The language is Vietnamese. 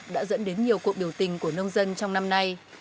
đã dẫn đến nhiều cuộc biểu tình của nông dân trong năm nay